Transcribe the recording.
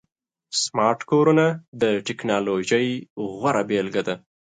سمارټ کورونه د ټکنالوژۍ غوره بيلګه ده.